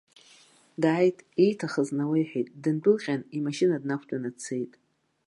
Дааит, ииҭахыз науеиҳәеит, дындәылҟьан, имашьына днақәтәаны дцеит.